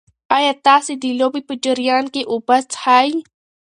ایا تاسي د لوبې په جریان کې اوبه څښئ؟